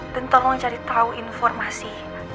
tolong cari tahu informasi